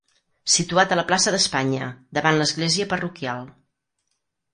Situat a la plaça d'Espanya, davant l'església parroquial.